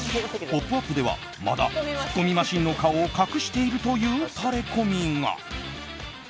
「ポップＵＰ！」ではまだツッコミマシンの顔を隠しているというタレコミが。